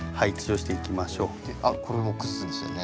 あっこれも崩すんでしたよね。